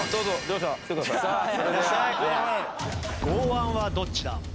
剛腕はどっちだ！？